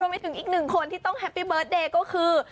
ไปถึงอีกหนึ่งคนที่ต้องแฮปปี้เบิร์ตเดย์ก็คือ